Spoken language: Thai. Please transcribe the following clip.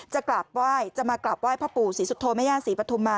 จะกลับไหว้จะมากลับไหว้พระปู่ศรีสุธโธมยาศรีปัทธุมมา